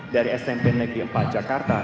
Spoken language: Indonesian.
dari smp negeri empat jakarta